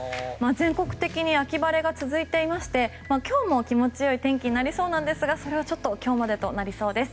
全国的に秋晴れが続いていまして今日も気持ちいい天気になりそうなんですがそれはちょっと今日までとなりそうです。